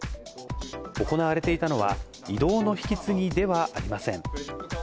行われていたのは、異動の引き継ぎではありません。